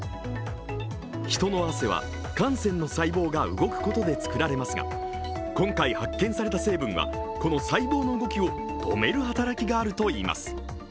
人の汗は汗腺の細胞が動くことで作られますが今回発見された成分はこの細胞の動きを止める働きがあるといいます。